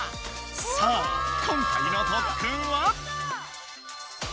さあ今回の特訓は？